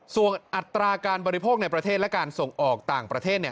ส่วนอัตราการบริโภคในประเทศและการส่งออกต่างประเทศ